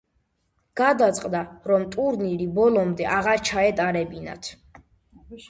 გადაწყდა, რომ ტურნირი ბოლომდე აღარ ჩაეტარებინათ.